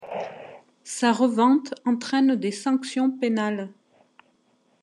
Sa revente entraîne des sanctions pénales.